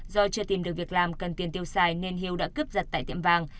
do chưa tìm được việc làm cần tiền tiêu xài nên hiếu đã cướp giặt tại tiệm vàng